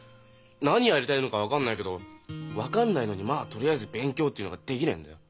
何やりたいのか分かんないけど分かんないのに「まあとりあえず勉強」っていうのができねえんだよ。